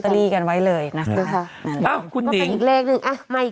ลัตเตอรี่กันไว้เลยนะ